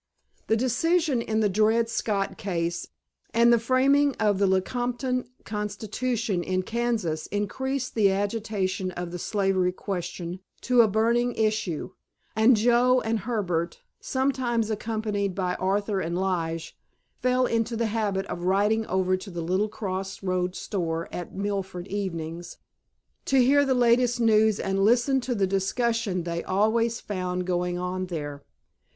The decision in the Dred Scott case and the framing of the Lecompton Constitution in Kansas increased the agitation of the slavery question to a burning issue; and Joe and Herbert, sometimes accompanied by Arthur and Lige, fell into the habit of riding over to the little cross road store at Milford evenings, to hear the latest news and listen to the discussion they always found going on there.